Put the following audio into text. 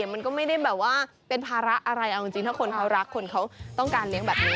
มันก็ไม่ได้แบบว่าเป็นภาระอะไรเอาจริงถ้าคนเขารักคนเขาต้องการเลี้ยงแบบนี้